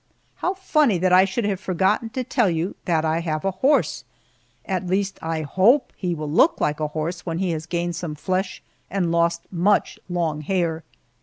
How very funny that I should have forgotten to tell you that I have a horse, at least I hope he will look like a horse when he has gained some flesh and lost much long hair.